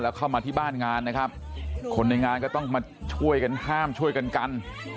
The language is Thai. เข้ามาที่บ้านงานนะครับคนในงานก็ต้องมาช่วยกันห้ามช่วยกันกัน